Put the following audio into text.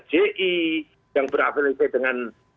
ji yang berafiliasi dengan